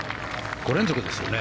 ５連続ですよね。